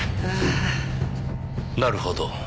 なるほど。